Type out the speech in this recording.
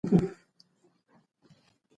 انټرنیټ د فکر د پراختیا لپاره یوه اړینه وسیله ده.